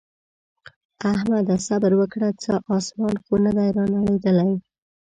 احمده! صبره وکړه څه اسمان خو نه دی رانړېدلی.